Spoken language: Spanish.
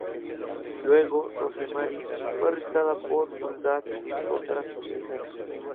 Luego, Rosemary fue arrestada por crueldad contra sus hijas.